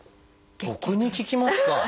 僕に聞きますか？